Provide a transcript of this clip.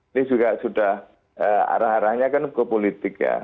ini juga sudah arah arahnya kan ke politik ya